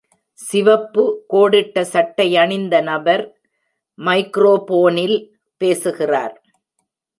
சிவப்பு கோடிட்ட சட்டை அணிந்த நபர் மைக்ரோஃபோனில் பேசுகிறார்.